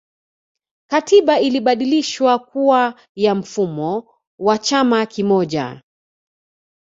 katiba ilibadilishwa kuwa ya mfumo wa chama kimoja